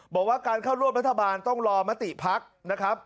บอกว่าการเข้าร่วมรัฐบาลต้องรอมติภักดิ์นะครับ